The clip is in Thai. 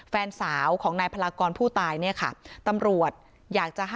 แฟนสาวของนายพลากรผู้ตาย